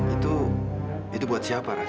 itu itu buat siapa ras